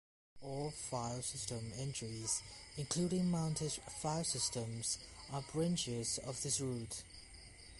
All filesystem entries, including mounted filesystems are "branches" of this root.